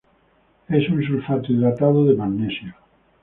Es un sulfato hidratado de magnesio.